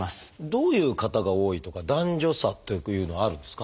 どういう方が多いとか男女差というのはあるんですか？